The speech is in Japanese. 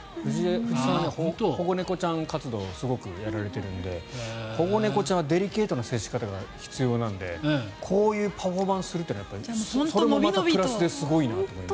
藤さん、保護猫活動をすごくやられているので保護猫ちゃんはデリケートな接し方が必要なのでこういうパフォーマンスするというのは本当に、そのままプラスですごいなと思います。